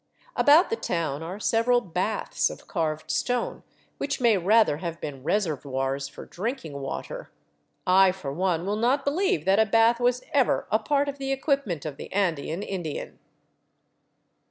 About the town are several "baths" of carved stone, which may rather have been reservoirs for drinking water — I for one will not believe that a bath was ever a part of the equipment of the Andean Indian.